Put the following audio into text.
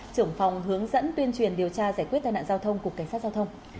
trưởng phòng hướng dẫn tuyên truyền điều tra giải quyết tai nạn giao thông của cảnh sát giao thông